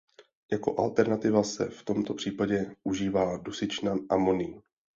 Jako alternativa se v tomto případě užívá dusičnan amonný.